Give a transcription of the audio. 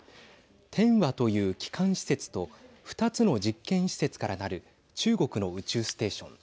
天和という基幹施設と２つの実験施設からなる中国の宇宙ステーション。